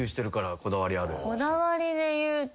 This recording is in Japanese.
こだわりで言うと。